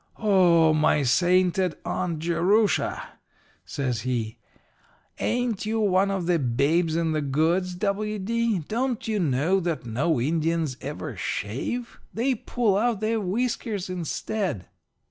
"'O my sainted Aunt Jerusha!' says he, 'ain't you one of the Babes in the Goods, W. D.? Don't you know that no Indians ever shave? They pull out their whiskers instead.'